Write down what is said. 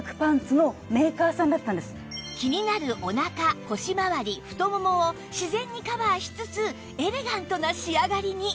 気になるおなか腰回り太ももを自然にカバーしつつエレガントな仕上がりに